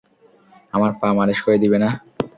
আমার পা মালিশ করে দিবে না?